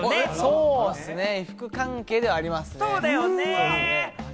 そうですね、衣服関係ではありますね。